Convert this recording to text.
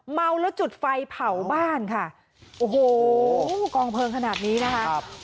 เมาแล้วจุดไฟเผาบ้านค่ะโอ้โหกองเพลิงขนาดนี้นะคะ